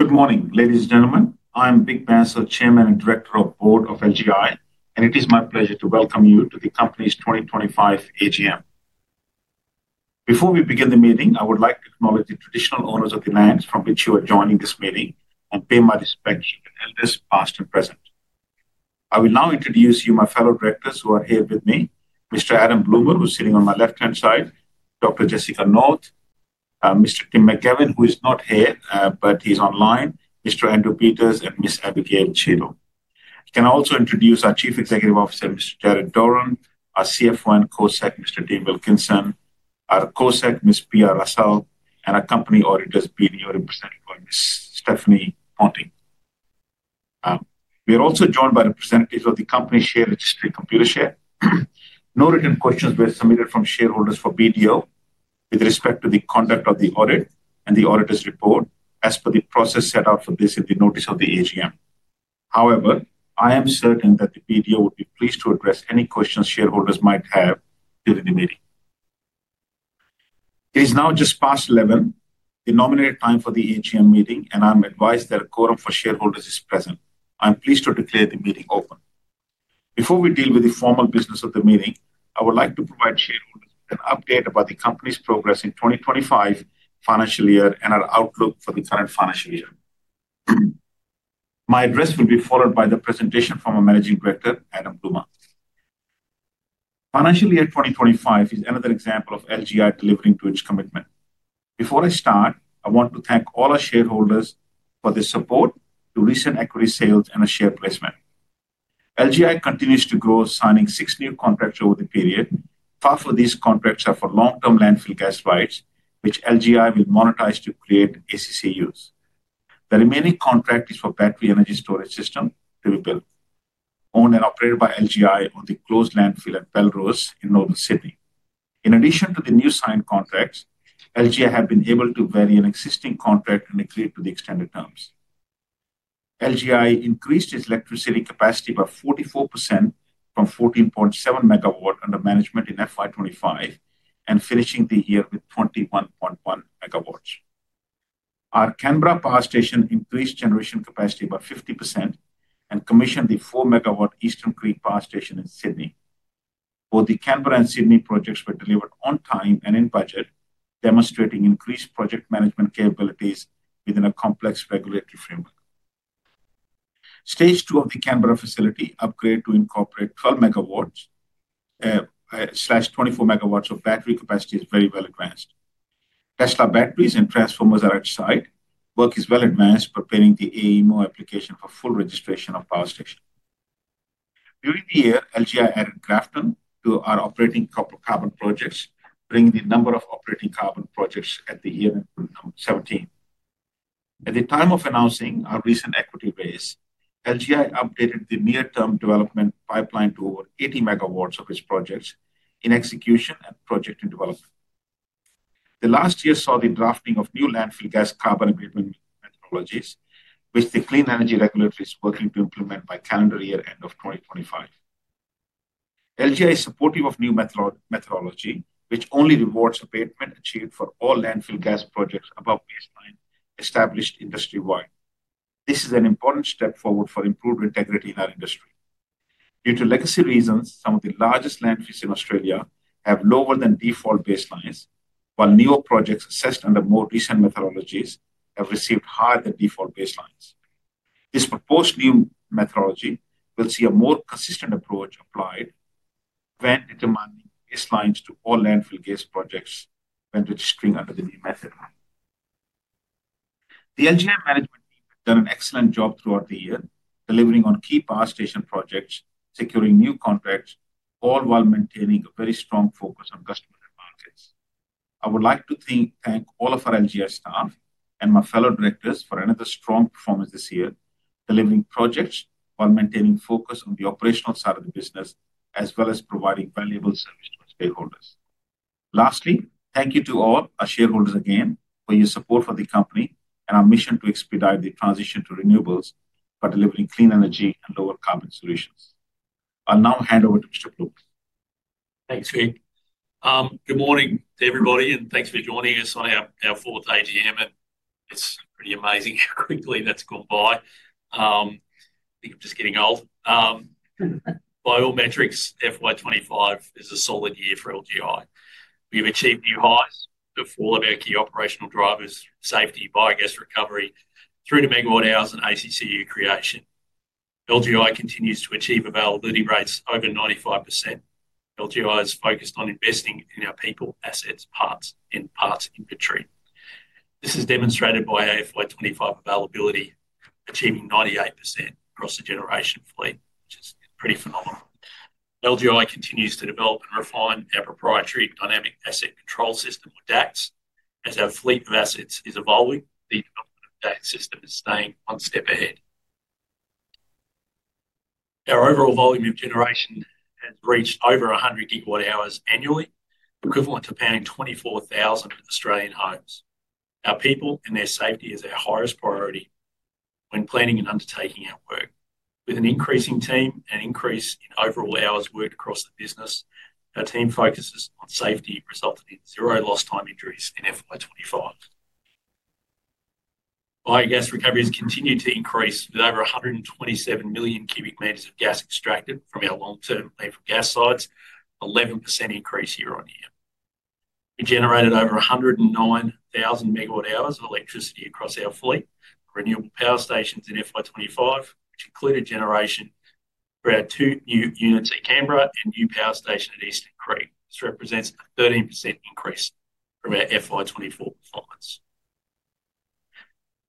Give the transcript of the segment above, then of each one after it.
Good morning, ladies and gentlemen. I am Vik Bansal, the Chairman and Director of the Board of LGI, and it is my pleasure to welcome you to the company's 2025 AGM. Before we begin the meeting, I would like to acknowledge the traditional owners of the lands from which you are joining this meeting and pay my respects to the elders, past and present. I will now introduce you to my fellow directors who are here with me: Mr. Adam Bloomer, who's sitting on my left-hand side; Dr. Jessica North; Mr. Tim McGavin, who is not here but he's online; Mr. Andrew Peters; and Ms. Abigail Cheadle. I can also introduce our Chief Executive Officer, Mr. Jarryd Doran; our CFO and Co-Sec, Mr. Dean Wilkinson; our Co-Sec, Ms. Pia Russell; and our company auditors, being here represented by Ms. Stephanie Ponting. We are also joined by representatives of the company share registry and Computershare. No written questions were submitted from shareholders for BDO with respect to the conduct of the audit and the auditor's report as per the process set out for this in the notice of the AGM. However, I am certain that BDO would be pleased to address any questions shareholders might have during the meeting. It is now just past 11, the nominated time for the AGM meeting, and I'm advised that a quorum for shareholders is present. I'm pleased to declare the meeting open. Before we deal with the formal business of the meeting, I would like to provide shareholders with an update about the company's progress in the 2025 financial year and our outlook for the current financial year. My address will be followed by the presentation from our Managing Director, Adam Bloomer. Financial year 2025 is another example of LGI delivering to its commitment. Before I start, I want to thank all our shareholders for their support to recent equity sales and the share placement. LGI continues to grow, signing six new contracts over the period. Half of these contracts are for long-term landfill gas rights, which LGI will monetize to create ACCUs. The remaining contract is for a battery energy storage system to be built, owned and operated by LGI on the closed landfill at Belrose in Northern Sydney. In addition to the new signed contracts, LGI has been able to vary an existing contract and agree to the extended terms. LGI increased its electricity capacity by 44% from 14.7 MW under management in FY 2025 and finishing the year with 21.1 MWs. Our Canberra Power Station increased generation capacity by 50% and commissioned the 4-MW Eastern Creek Power Station in Sydney. Both the Canberra and Sydney projects were delivered on time and in budget, demonstrating increased project management capabilities within a complex regulatory framework. Stage two of the Canberra facility upgrade to incorporate 12 MW/24 MW of battery capacity is very well advanced. Tesla batteries and transformers are outside. Work is well advanced, preparing the AEMO application for full registration of the power station. During the year, LGI added Grafton to our operating carbon projects, bringing the number of operating carbon projects at the year to 17. At the time of announcing our recent equity raise, LGI updated the near-term development pipeline to over 80 MW of its projects in execution and project development. The last year saw the drafting of new landfill gas carbon abatement methodologies, which the Clean Energy Regulator is working to implement by the calendar year end of 2025. LGI is supportive of new methodology, which only rewards abatement achieved for all landfill gas projects above baseline established industry-wide. This is an important step forward for improved integrity in our industry. Due to legacy reasons, some of the largest landfills in Australia have lower-than-default baselines, while newer projects assessed under more recent methodologies have received higher-than-default baselines. This proposed new methodology will see a more consistent approach applied when determining baselines to all landfill gas projects when registering under the new method. The LGI management team has done an excellent job throughout the year, delivering on key power station projects, securing new contracts, all while maintaining a very strong focus on customer and markets. I would like to thank all of our LGI staff and my fellow directors for another strong performance this year, delivering projects while maintaining focus on the operational side of the business, as well as providing valuable service to its stakeholders. Lastly, thank you to all our shareholders again for your support for the company and our mission to expedite the transition to renewables by delivering clean energy and lower carbon solutions. I'll now hand over to Mr. Bloomer. Thanks, Vik. Good morning to everybody, and thanks for joining us on our fourth AGM. It's pretty amazing how quickly that's gone by. I think I'm just getting old. By all metrics, FY 2025 is a solid year for LGI. We've achieved new highs for all of our key operational drivers: safety, biogas recovery, through to megawatt hours and ACCU creation. LGI continues to achieve availability rates over 95%. LGI is focused on investing in our people, assets, parts, and parts inventory. This is demonstrated by our FY 2025 availability, achieving 98% across the generation fleet, which is pretty phenomenal. LGI continues to develop and refine our proprietary Dynamic Asset Control System, or DACS, as our fleet of assets is evolving. The development of the DACS system is staying one step ahead. Our overall volume of generation has reached over 100 GWh annually, equivalent to powering 24,000 Australian homes. Our people and their safety is our highest priority when planning and undertaking our work. With an increasing team and an increase in overall hours worked across the business, our team focuses on safety, resulting in zero lost-time injuries in FY 2025. Biogas recovery has continued to increase with over 127 million cu m of gas extracted from our long-term landfill gas sites, an 11% increase year-on-year. We generated over 109,000 MWh of electricity across our fleet for renewable power stations in FY 2025, which included generation for our two new units at Canberra and a new power station at Eastern Creek. This represents a 13% increase from our FY 2024 performance.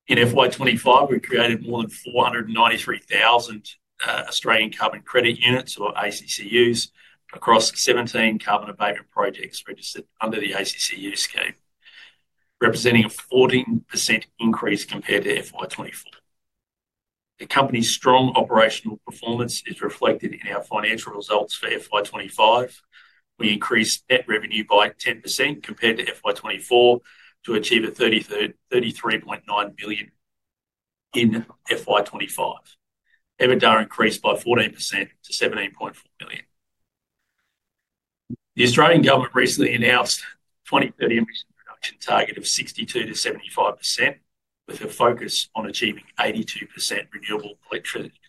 In FY 2025, we created more than 493,000 Australian Carbon Credit Units, or ACCUs, across 17 carbon abatement projects registered under the ACCU scheme, representing a 14% increase compared to FY 2024. The company's strong operational performance is reflected in our financial results for FY 2025. We increased net revenue by 10% compared to FY 2024 to achieve 33.9 million in FY 2025. EBITDA increased by 14% to 17.4 million. The Australian government recently announced a 2030 emissions reduction target of 62%-75%, with a focus on achieving 82% renewable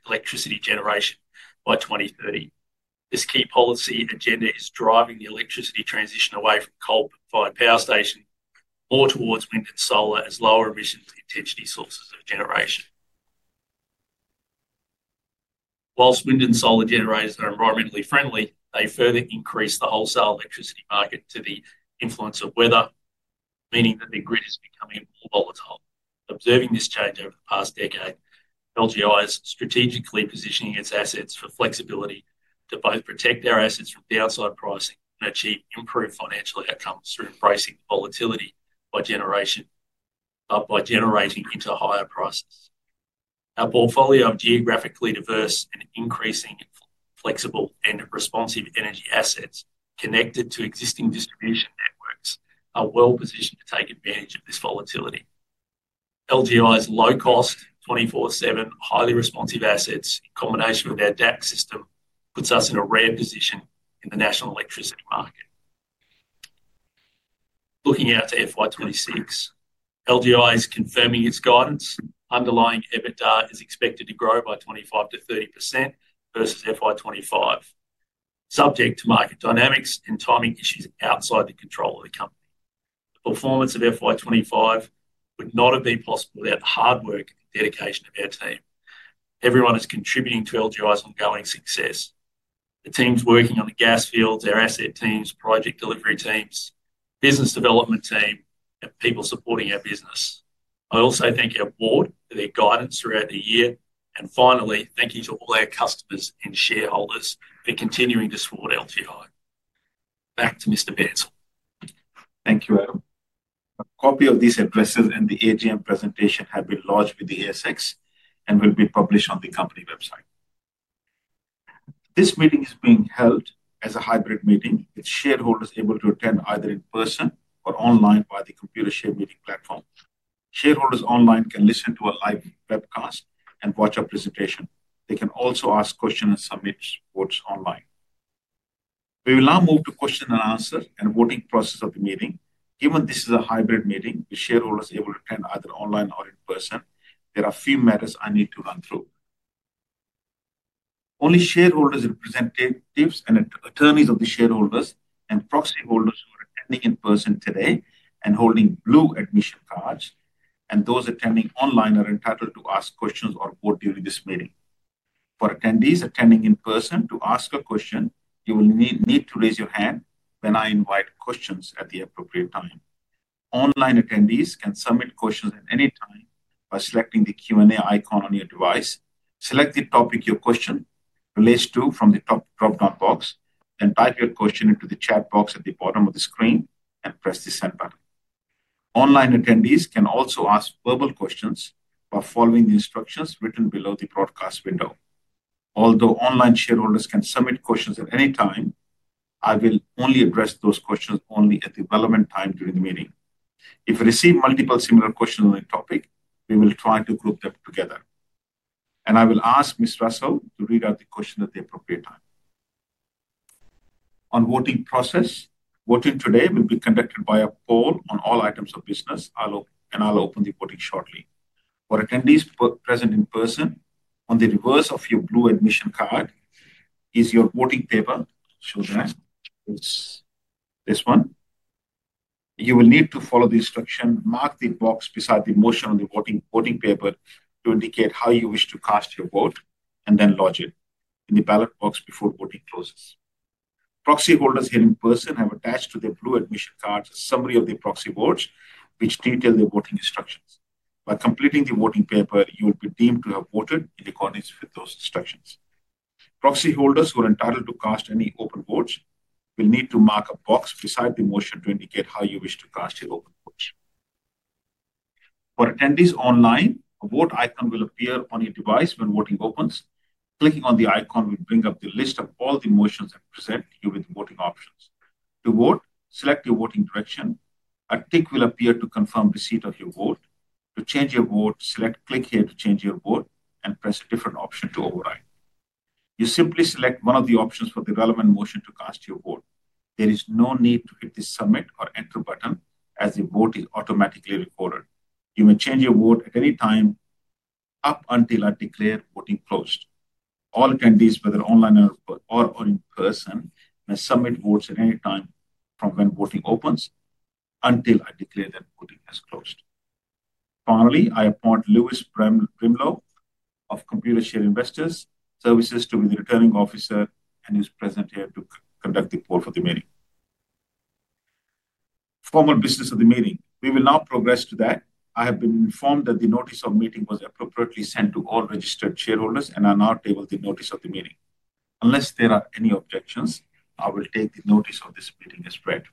electricity generation by 2030. This key policy agenda is driving the electricity transition away from coal-fired power stations more towards wind and solar as lower-emission intensity sources of generation. Whilst wind and solar generators are environmentally friendly, they further increase the volatility of the wholesale electricity market due to the influence of weather, meaning that the grid is becoming more volatile. Observing this change over the past decade, LGI is strategically positioning its assets for flexibility to both protect our assets from downside pricing and achieve improved financial outcomes through embracing volatility by generating into higher prices. Our portfolio of geographically diverse and increasingly flexible and responsive energy assets connected to existing distribution networks are well positioned to take advantage of this volatility. LGI's low-cost, 24/7, highly responsive assets, in combination with our DACS system, puts us in a rare position in the national electricity market. Looking out to FY 2026, LGI is confirming its guidance, underlining EBITDA is expected to grow by 25%-30% versus FY 2025, subject to market dynamics and timing issues outside the control of the company. The performance of FY 2025 would not have been possible without the hard work and dedication of our team. Everyone is contributing to LGI's ongoing success: the teams working on the gas fields, our asset teams, project delivery teams, business development team, and people supporting our business. I also thank our board for their guidance throughout the year. Finally, thank you to all our customers and shareholders for continuing to support LGI. Back to Mr. Bansal. Thank you, Adam. A copy of these addresses and the AGM presentation have been lodged with the ASX and will be published on the company website. This meeting is being held as a hybrid meeting, with shareholders able to attend either in person or online via the Computershare meeting platform. Shareholders online can listen to a live webcast and watch our presentation. They can also ask questions and submit reports online. We will now move to question and answer and voting process of the meeting. Given this is a hybrid meeting, with shareholders able to attend either online or in person, there are a few matters I need to run through. Only shareholders, representatives, and attorneys of the shareholders and proxy holders who are attending in person today and holding blue admission cards, and those attending online are entitled to ask questions or vote during this meeting. For attendees attending in person to ask a question, you will need to raise your hand when I invite questions at the appropriate time. Online attendees can submit questions at any time by selecting the Q&A icon on your device. Select the topic your question relates to from the drop-down box, then type your question into the chat box at the bottom of the screen and press the send button. Online attendees can also ask verbal questions by following the instructions written below the broadcast window. Although online shareholders can submit questions at any time, I will only address those questions at the relevant time during the meeting. If we receive multiple similar questions on the topic, we will try to group them together. I will ask Ms. Russell to read out the question at the appropriate time. On voting process, voting today will be conducted by a poll on all items of business, and I'll open the voting shortly. For attendees present in person, on the reverse of your blue admission card is your voting paper. I'll show you that. It's this one. You will need to follow the instruction, mark the box beside the motion on the voting paper to indicate how you wish to cast your vote, and then lodge it in the ballot box before voting closes. Proxy holders here in person have attached to their blue admission cards a summary of their proxy votes, which detail their voting instructions. By completing the voting paper, you will be deemed to have voted in accordance with those instructions. Proxy holders who are entitled to cast any open votes will need to mark a box beside the motion to indicate how you wish to cast your open votes. For attendees online, a vote icon will appear on your device when voting opens. Clicking on the icon will bring up the list of all the motions that present you with voting options. To vote, select your voting direction. A tick will appear to confirm receipt of your vote. To change your vote, select "Click here to change your vote" and press a different option to override. You simply select one of the options for the relevant motion to cast your vote. There is no need to hit the submit or enter button, as the vote is automatically recorded. You may change your vote at any time up until I declare voting closed. All attendees, whether online or in person, may submit votes at any time from when voting opens until I declare that voting has closed. Finally, I appoint Lewis Brimelow of Computershare Investor services to be the returning officer, and he is present here to conduct the poll for the meeting. Formal business of the meeting. We will now progress to that. I have been informed that the notice of meeting was appropriately sent to all registered shareholders and I now table the notice of the meeting. Unless there are any objections, I will take the notice of this meeting as read.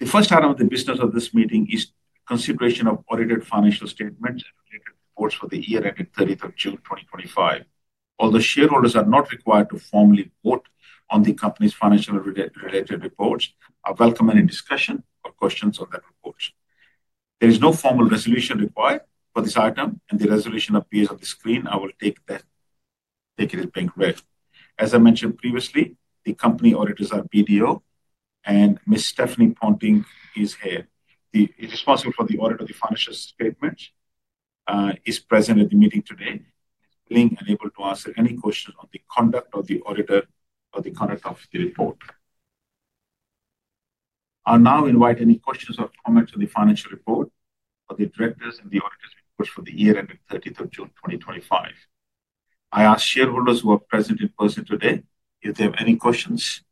The first item of the business of this meeting is consideration of audited financial statements and related reports for the year ending 30th of June 2025. Although shareholders are not required to formally vote on the company's financial related reports, I welcome any discussion or questions on that report. There is no formal resolution required for this item, and the resolution appears on the screen. I will take that. Take it as being read. As I mentioned previously, the company auditors are BDO, and Ms. Stephanie Ponting is here. She is responsible for the audit of the financial statements, is present at the meeting today, and is willing and able to answer any questions on the conduct of the auditor or the conduct of the report. I'll now invite any questions or comments on the financial report for the directors and the auditors' reports for the year ending 30th of June 2025. I ask shareholders who are present in person today if they have any questions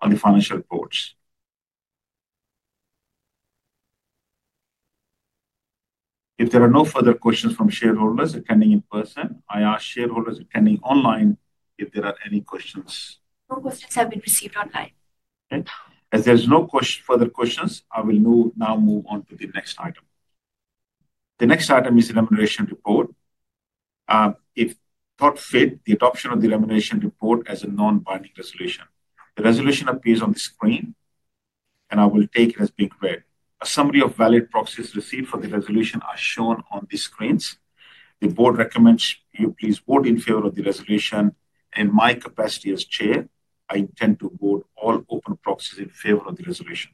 on the financial reports. If there are no further questions from shareholders attending in person, I ask shareholders attending online if there are any questions. No questions have been received online. Okay. As there are no further questions, I will now move on to the next item. The next item is the remuneration report. It's thought fit the adoption of the remuneration report as a non-binding resolution. The resolution appears on the screen, and I will take it as being read. A summary of valid proxies received for the resolution are shown on the screens. The board recommends you please vote in favor of the resolution. In my capacity as Chair, I intend to vote all open proxies in favor of the resolution.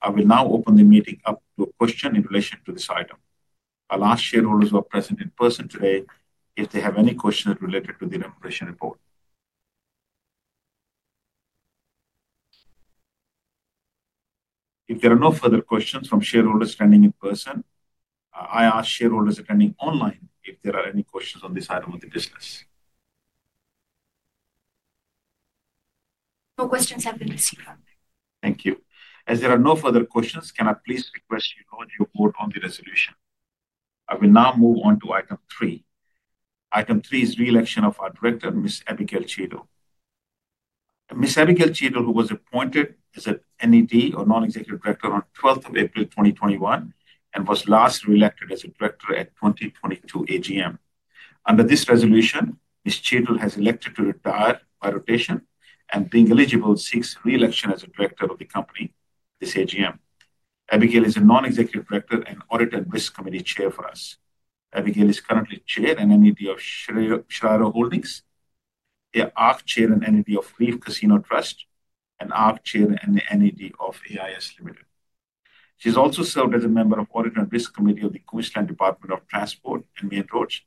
I will now open the meeting up to a question in relation to this item. I'll ask shareholders who are present in person today if they have any questions related to the remuneration report. If there are no further questions from shareholders attending in person, I ask shareholders attending online if there are any questions on this item of the business. No questions have been received online. Thank you. As there are no further questions, can I please request you lodge your vote on the resolution? I will now move on to item three. Item three is reelection of our Director, Ms. Abigail Cheadle. Ms. Abigail Cheadle, who was appointed as an NED or Non-Executive Director on 12th of April 2021 and was last reelected as a Director at 2022 AGM. Under this resolution, Ms. Cheadle has elected to retire by rotation and, being eligible, seeks reelection as a Director of the company this AGM. Abigail is a Non-Executive Director and Audit & Risk Committee Chair for us. Abigail is currently Chair and NED of Shriro Holdings, the ARC Chair and NED of Reef Casino Trust, and ARC Chair and NED of AIS Limited. She has also served as a member of the Audit & Risk Committee of the Queensland Department of Transport and Main Roads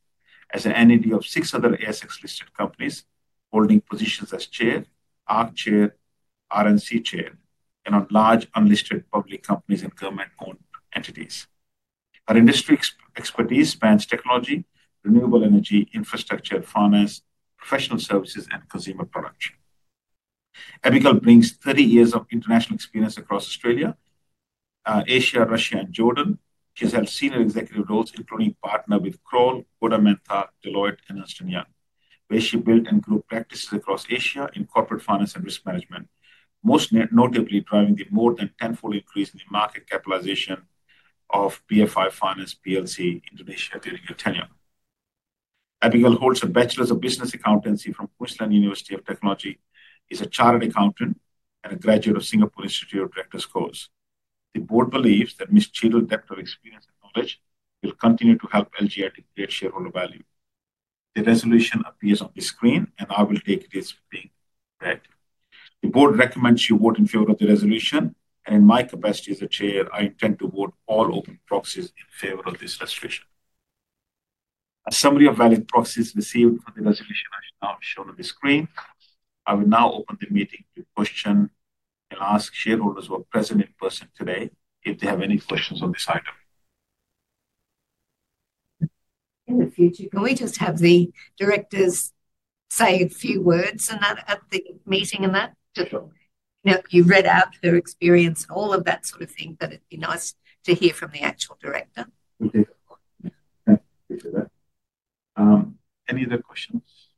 as an NED of six other ASX-listed companies, holding positions as Chair, ARC Chair, RNC Chair, and on large unlisted public companies and government-owned entities. Her industry expertise spans technology, renewable energy, infrastructure, finance, professional services, and consumer production. Abigail brings 30 years of international experience across Australia, Asia, Russia, and Jordan. She has held senior executive roles, including partner with Kroll, Boda Menta, Deloitte, and Ernst & Young, where she built and grew practices across Asia in corporate finance and risk management, most notably driving the more than ten-fold increase in the market capitalization of BFI Finance PLC Indonesia during her tenure. Abigail holds a Bachelor's of Business Accountancy from Queensland University of Technology, is a chartered accountant, and a graduate of Singapore Institute of Directors' Course. The board believes that Ms. Cheadle's depth of experience and knowledge will continue to help LGI to create shareholder value. The resolution appears on the screen, and I will take it as being read. The board recommends you vote in favor of the resolution, and in my capacity as Chair, I intend to vote all open proxies in favor of this resolution. A summary of valid proxies received for the resolution I shall now show on the screen. I will now open the meeting to question and ask shareholders who are present in person today if they have any questions on this item. In the future, can we just have the directors say a few words at the meeting and that? Sure. You read out her experience and all of that sort of thing, but it'd be nice to hear from the actual director. Okay. Thank you for that. Any other questions?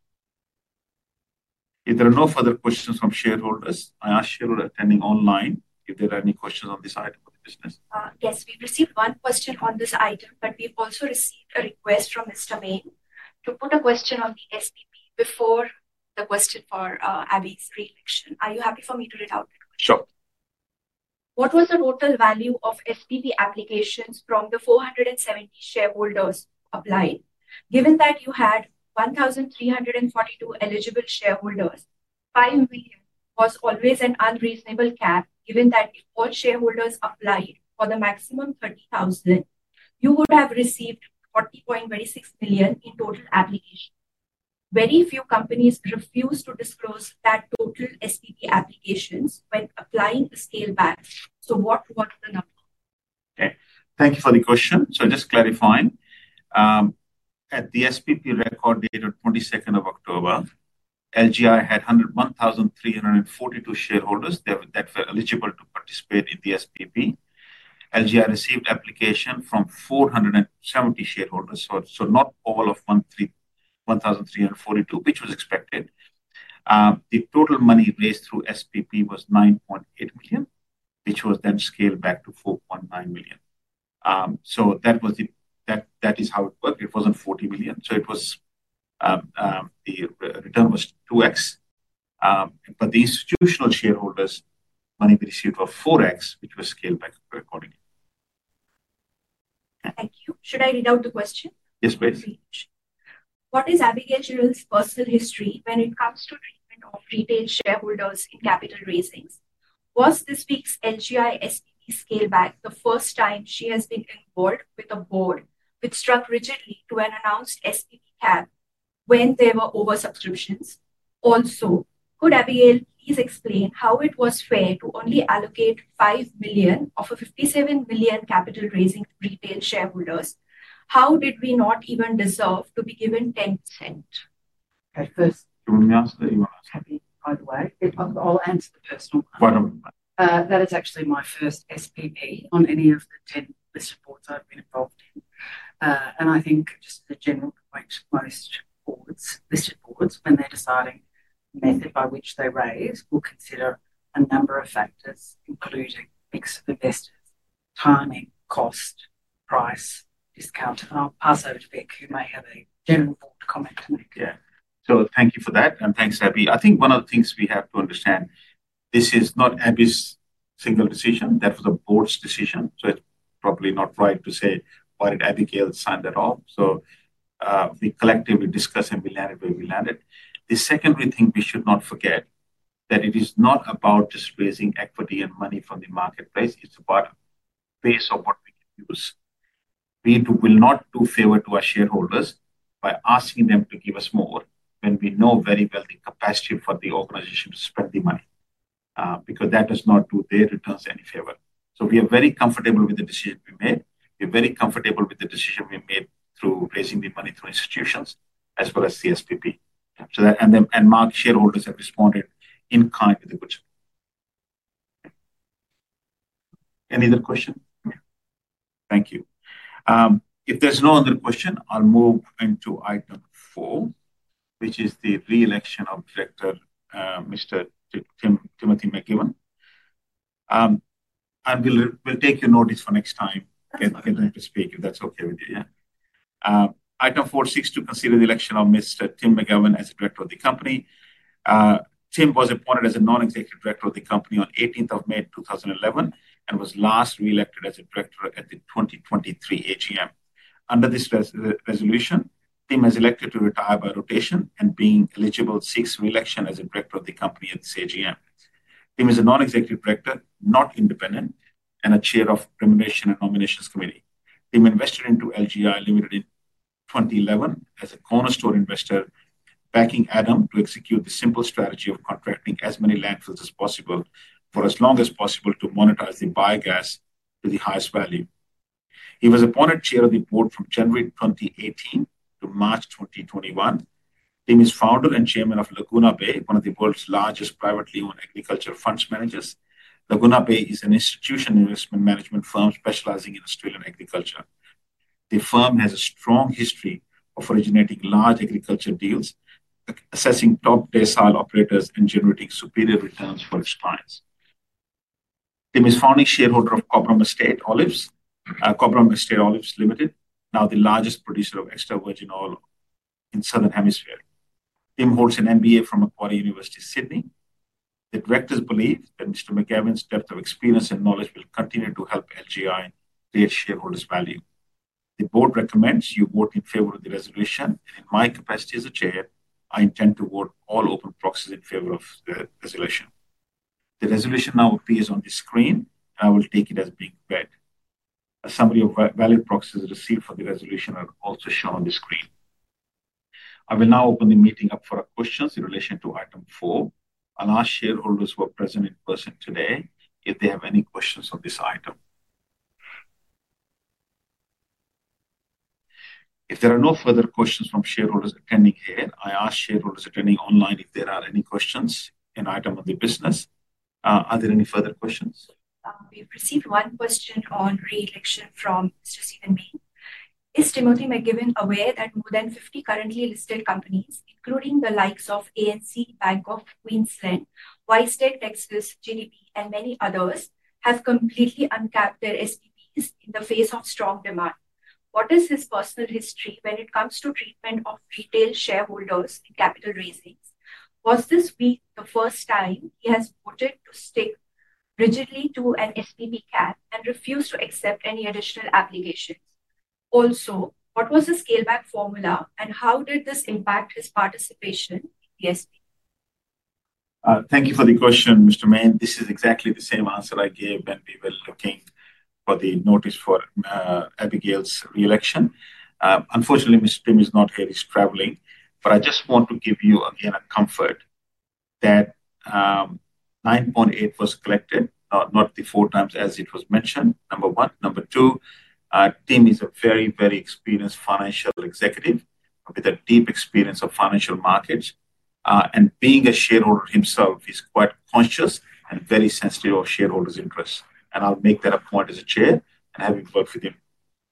If there are no further questions from shareholders, I ask shareholders attending online if there are any questions on this item of the business. Yes, we've received one question on this item, but we've also received a request from Mr. Mayne to put a question on the SPP before the question for Abby's reelection. Are you happy for me to read out that question? Sure. What was the total value of SPP applications from the 470 shareholders applied? Given that you had 1,342 eligible shareholders, 5 million was always an unreasonable cap. Given that all shareholders applied for the maximum 30,000, you would have received 40.6 million in total applications. Very few companies refused to disclose that total SPP applications when applying a scale back. So what was the number? Okay. Thank you for the question. Just clarifying, at the SPP record date of October 22nd, LGI had 1,342 shareholders that were eligible to participate in the SPP. LGI received applications from 470 shareholders, so not all of 1,342, which was expected. The total money raised through the SPP was 9.8 million, which was then scaled back to 4.9 million. That is how it worked. It was not 40 million. The return was 2x. The institutional shareholders' money received was 4x, which was scaled back accordingly. Thank you. Should I read out the question? Yes, please. What is Abigail Cheadle's personal history when it comes to treatment of retail shareholders in capital raisings? Was this week's LGI SPP scale back the first time she has been involved with a board which struck rigidly to an announced SPP cap when there were oversubscriptions? Also, could Abigail please explain how it was fair to only allocate 5 million of a 57 million capital raising to retail shareholders? How did we not even deserve to be given 10%? At first. Can we ask that you ask Abigail? By the way, I'll answer the personal one. Why don't we? That is actually my first SPP on any of the 10 listed boards I've been involved in. I think just as a general point, most boards, listed boards, when they're deciding the method by which they raise, will consider a number of factors, including mix of investors, timing, cost, price, discount. I'll pass over to Vik, who may have a general board comment to make. Yeah. Thank you for that, and thanks, Abby. I think one of the things we have to understand, this is not Abby's single decision. That was a board's decision. It is probably not right to say, "Why did Abigail sign that off?" We collectively discussed, and we landed where we landed. The secondary thing we should not forget is that it is not about just raising equity and money from the marketplace. It is about the base of what we can use. We will not do favor to our shareholders by asking them to give us more when we know very well the capacity for the organization to spend the money, because that does not do their returns any favor. We are very comfortable with the decision we made. We are very comfortable with the decision we made through raising the money through institutions as well as the SPP. Mark, shareholders have responded in kind with a good. Any other question? Thank you. If there's no other question, I'll move into item four, which is the reelection of Director Mr. Timothy McGavin. I will take your notice for next time. Okay. I'll get him to speak if that's okay with you, yeah? Item four seeks to consider the election of Mr. Tim McGavin as Director of the company. Tim was appointed as a Non-Executive Director of the company on 18th of May 2011 and was last reelected as a Director at the 2023 AGM. Under this resolution, Tim has elected to retire by rotation and being eligible seeks reelection as a Director of the company at this AGM. Tim is a Non-Executive Director, not independent, and Chair of Remuneration & Nominations Committee. Tim invested into LGI Limited in 2011 as a cornerstone investor, backing Adam to execute the simple strategy of contracting as many landfills as possible for as long as possible to monetize the biogas to the highest value. He was appointed Chair of the Board from January 2018-March 2021. Tim is Founder and Chairman of Laguna Bay, one of the world's largest privately owned agriculture funds managers. Laguna Bay is an institutional investment management firm specializing in Australian agriculture. The firm has a strong history of originating large agriculture deals, assessing top day-sale operators, and generating superior returns for its clients. Tim is founding shareholder of Cobram Estate Olives, Cobram Estate Olives Limited, now the largest producer of extra virgin olive oil in the Southern Hemisphere. Tim holds an MBA from Macquarie University, Sydney. The directors believe that Mr. McGivern's depth of experience and knowledge will continue to help LGI create shareholders' value. The board recommends you vote in favor of the resolution, and in my capacity as a Chair, I intend to vote all open proxies in favor of the resolution. The resolution now appears on the screen, and I will take it as being read. A summary of valid proxies received for the resolution are also shown on the screen. I will now open the meeting up for questions in relation to item four. I'll ask shareholders who are present in person today if they have any questions on this item. If there are no further questions from shareholders attending here, I ask shareholders attending online if there are any questions in item of the business. Are there any further questions? We've received one question on reelection from Mr. Steven Mayne. Is Tim McGavin aware that more than 50 currently listed companies, including the likes of ANZ, Bank of Queensland, Wesfarmers, Telstra, GPT, and many others, have completely uncapped their SPPs in the face of strong demand? What is his personal history when it comes to treatment of retail shareholders in capital raisings? Was this week the first time he has voted to stick rigidly to an SPP cap and refused to accept any additional applications? Also, what was the scale back formula, and how did this impact his participation in the SPP? Thank you for the question, Mr. Mayne. This is exactly the same answer I gave when we were looking for the notice for Abigail's reelection. Unfortunately, Mr. Tim is not here. He is traveling. I just want to give you again a comfort that 9.8 million was collected, not the 4x as it was mentioned, number one. Number two, Tim is a very, very experienced financial executive with a deep experience of financial markets. Being a shareholder himself, he is quite conscious and very sensitive of shareholders' interests. I will make that a point as Chair and having worked with him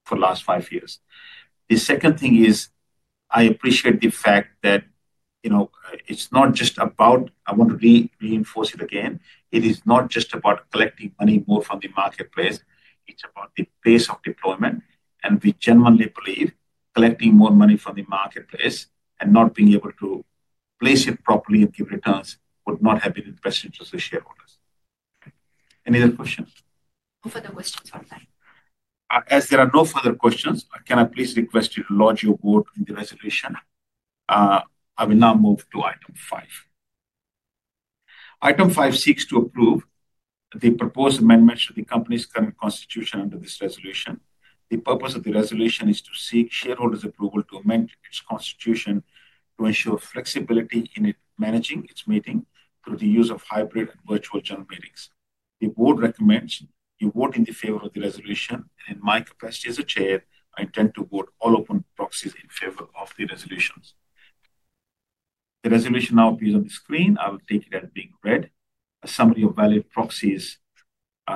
for the last five years. The second thing is I appreciate the fact that it is not just about—I want to reinforce it again—it is not just about collecting money more from the marketplace. It is about the pace of deployment. We genuinely believe collecting more money from the marketplace and not being able to place it properly and give returns would not have been in the best interest of shareholders. Any other questions? No further questions on that. As there are no further questions, can I please request you to lodge your vote in the resolution? I will now move to item five. Item five seeks to approve the proposed amendments to the company's current constitution under this resolution. The purpose of the resolution is to seek shareholders' approval to amend its constitution to ensure flexibility in managing its meeting through the use of hybrid and virtual general meetings. The board recommends you vote in favor of the resolution. In my capacity as Chair, I intend to vote all open proxies in favor of the resolutions. The resolution now appears on the screen. I will take it as being read. A summary of valid proxies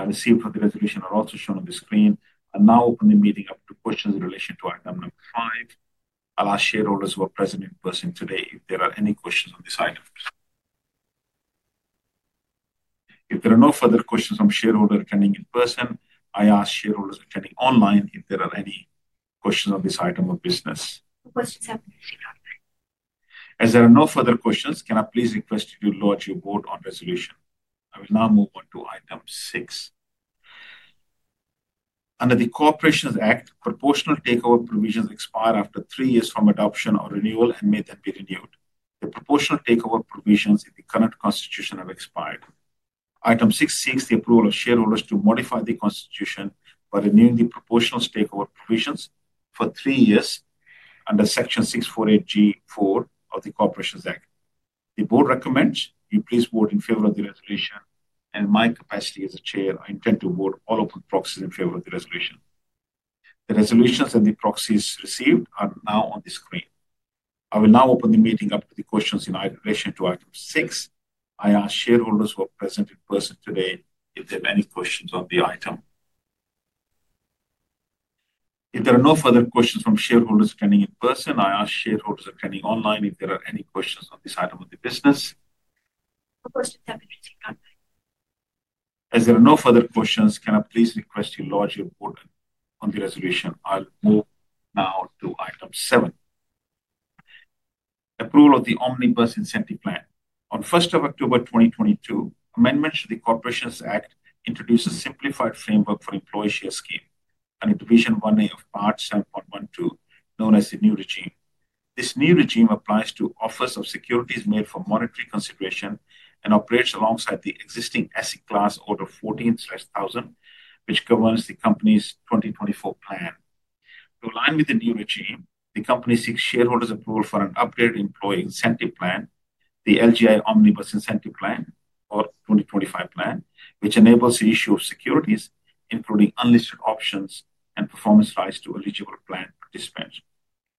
received for the resolution is also shown on the screen. I'll now open the meeting up to questions in relation to item number five. I'll ask shareholders who are present in person today if there are any questions on this item. If there are no further questions from shareholders attending in person, I ask shareholders attending online if there are any questions on this item of business. No questions have been received on that. As there are no further questions, can I please request you to lodge your vote on resolution? I will now move on to item six. Under the Corporations Act, proportional takeover provisions expire after three years from adoption or renewal and may then be renewed. The proportional takeover provisions in the current constitution have expired. Item six seeks the approval of shareholders to modify the constitution by renewing the proportional takeover provisions for three years under Section 648G(4) of the Corporations Act. The board recommends you please vote in favor of the resolution. In my capacity as Chair, I intend to vote all open proxies in favor of the resolution. The resolutions and the proxies received are now on the screen. I will now open the meeting up to the questions in relation to item six. I ask shareholders who are present in person today if they have any questions on the item. If there are no further questions from shareholders attending in person, I ask shareholders attending online if there are any questions on this item of the business. No questions have been received on that. As there are no further questions, can I please request you lodge your vote on the resolution? I'll move now to item seven. Approval of the Omnibus Incentive Plan. On 1st of October 2022, amendments to the Corporations Act introduced a simplified framework for employee share scheme under division 1A of part 7.12, known as the new regime. This new regime applies to offers of securities made for monetary consideration and operates alongside the existing asset class order 14/1000, which governs the company's 2024 plan. To align with the new regime, the company seeks shareholders' approval for an upgraded employee incentive plan, the LGI Omnibus Incentive Plan or 2025 plan, which enables the issue of securities, including unlisted options and performance rights to eligible plan participants.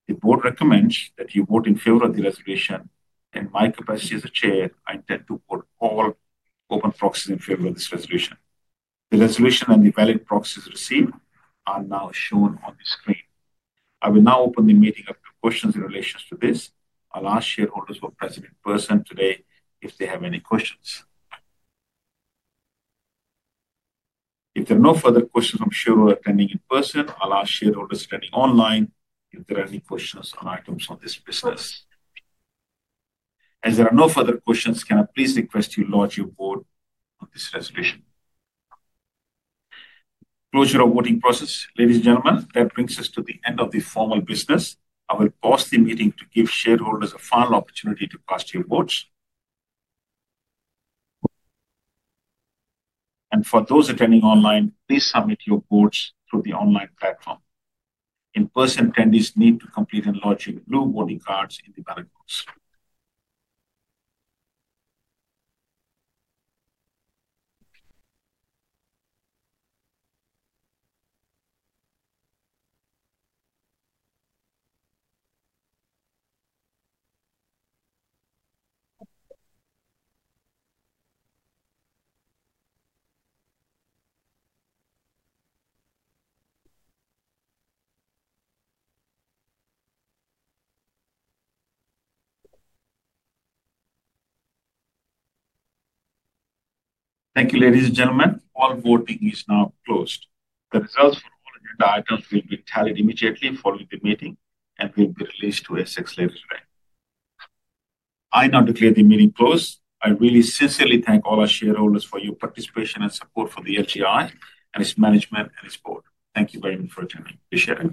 The board recommends that you vote in favor of the resolution. In my capacity as Chair, I intend to vote all open proxies in favor of this resolution. The resolution and the valid proxies received are now shown on the screen. I will now open the meeting up to questions in relation to this. I'll ask shareholders who are present in person today if they have any questions. If there are no further questions from shareholders attending in person, I'll ask shareholders attending online if there are any questions on items on this business. As there are no further questions, can I please request you lodge your vote on this resolution? Closure of voting process. Ladies and gentlemen, that brings us to the end of the formal business. I will pause the meeting to give shareholders a final opportunity to cast your votes. For those attending online, please submit your votes through the online platform. In-person attendees need to complete and lodge your blue voting cards in the ballot box. Thank you, ladies and gentlemen. All voting is now closed. The results for all agenda items will be tallied immediately following the meeting and will be released to ASX later today. I now declare the meeting closed. I really sincerely thank all our shareholders for your participation and support for LGI and its management and its board. Thank you very much for attending. Appreciate it.